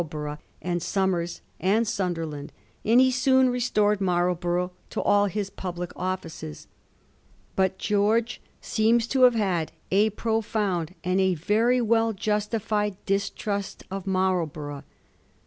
borough and Somers and Sunderland, and he soon restored Marlborough to all his public offices. But George seems tiO have had a profound and a very well justified distrust of Marlborough.